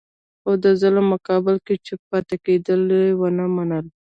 خو د ظلم مقابل کې چوپ پاتې کېدل یې ونه منل.